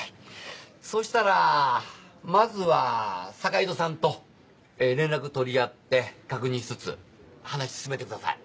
そうしたらまずは坂井戸さんと連絡取り合って確認しつつ話進めてください。